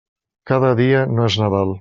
Cada dia no és Nadal.